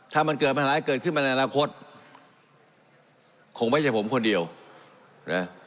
ถ้ามันเกิดปัญหาเกิดขึ้นมาในอนาคตคงไม่ใช่ผมคนเดียวนะ